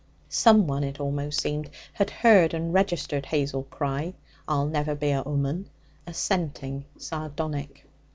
Someone, it almost seemed, had heard and registered Hazel's cry, 'I'll never be an 'ooman,' assenting, sardonic.